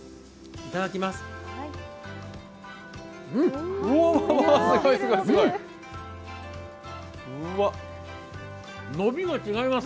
いただきます。